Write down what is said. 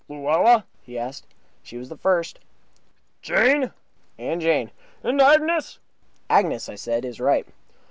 "Luella?" he asked. "She was the first." "Jane?" "And Jane." "And Agnes?" "Agnes," I said, "is right."